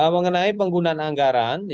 mengenai penggunaan anggaran